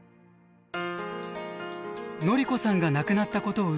典子さんが亡くなったことを受け